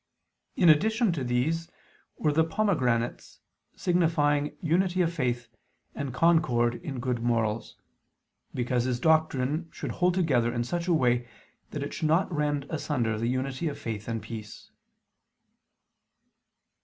In addition to these were the pomegranates, signifying unity of faith and concord in good morals: because his doctrine should hold together in such a way that it should not rend asunder the unity of faith and peace.